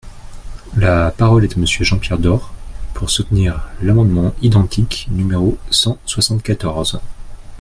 La parole est à Monsieur Jean-Pierre Door, pour soutenir l’amendement identique numéro cent soixante-quatorze.